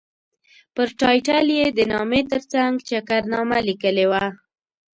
پر ټایټل یې د نامې ترڅنګ چکرنامه لیکلې وه.